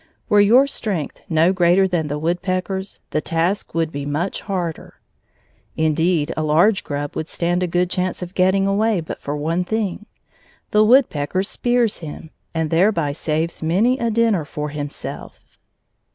Were your strength no greater than the woodpecker's, the task would be much harder. Indeed, a large grub would stand a good chance of getting away but for one thing, the woodpecker spears him, and thereby saves many a dinner for himself.